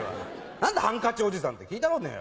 何だハンカチおじさんって聞いたことねえよ。